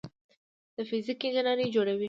د فزیک انجینري جوړوي.